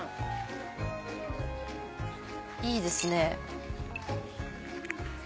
いいですね。